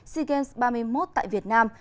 sea games ba mươi một tại việt nam